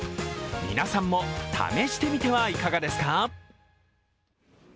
皆さんも試してみてはいかがですか？